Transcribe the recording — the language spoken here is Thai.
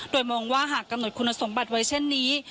โดยมองว่าหากกำหนดคุณสมบัติไว้เช่นนี้